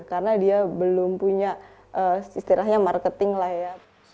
karena dia belum punya istilahnya marketing lah ya